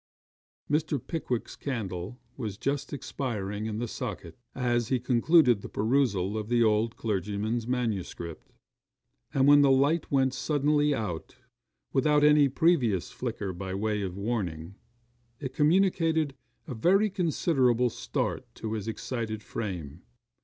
] Mr. Pickwick's candle was just expiring in the socket, as he concluded the perusal of the old clergyman's manuscript; and when the light went suddenly out, without any previous flicker by way of warning, it communicated a very considerable start to his excited frame.